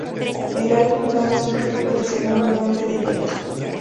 El álbum toma su título de segundo nombre de Jackson.